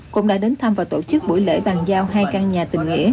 cũng đã đến thăm và tổ chức buổi lễ bàn giao hai căn nhà tình nghĩa